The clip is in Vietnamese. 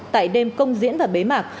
tại đêm công diễn và bế mạc